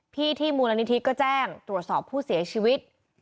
ที่ที่มูลนิธิก็แจ้งตรวจสอบผู้เสียชีวิต